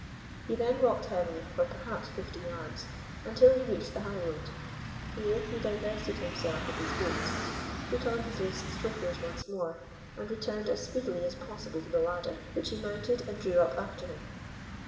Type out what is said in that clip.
He then walked heavily for perhaps fifty yards, until he reached the high road. Here he divested himself of his boots, put on his list slippers once more, and returned as speedily as possible to the ladder, which he mounted and drew up after him.